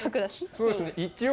そうですね一応。